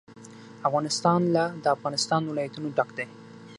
افغانستان له د افغانستان ولايتونه ډک دی.